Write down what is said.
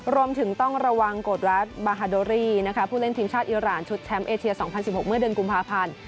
รวมถึงต้องระวังกฎรัฐบาฮาโดรี่ผู้เล่นทีมชาติอิราณชุดแชมป์เอเชีย๒๐๑๖เมื่อเดือนกุมภาพันธ์